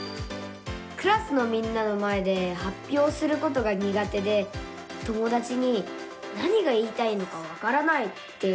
クラスのみんなの前ではっぴょうすることがにが手で友だちに「何が言いたいのかわからない」って言われちゃうんです。